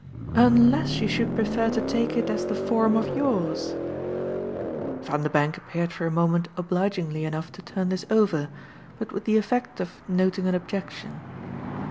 "Unless you should prefer to take it as the form of yours." Vanderbank appeared for a moment obligingly enough to turn this over, but with the effect of noting an objection.